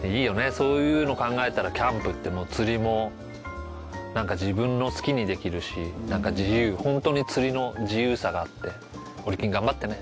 そういうの考えたらキャンプって釣りもなんか自分の好きにできるしなんか自由本当に釣りの自由さがあってオリキンがんばってね